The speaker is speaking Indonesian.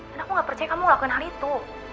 dan aku gak percaya kamu ngelakuin hal itu